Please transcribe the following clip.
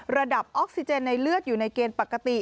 ระดับออกซิเจนในเลือดอยู่ในเกณฑ์ปกติ